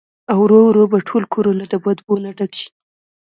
او ورو ورو به ټول کور د بدبو نه ډک شي